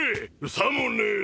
さもねえと？